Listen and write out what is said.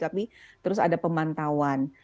tapi terus ada pemantauan